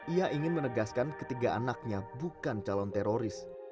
ia ingin menegaskan ketiga anaknya bukan calon teroris